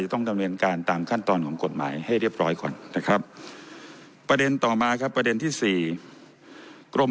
พรุ่งนั้นที่ดิน